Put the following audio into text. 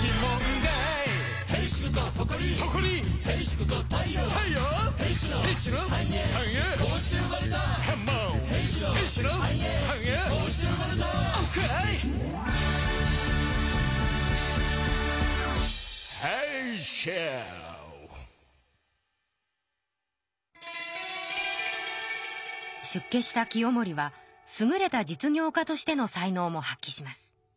５０さいで出家した清盛はすぐれた実業家としての才能も発きします。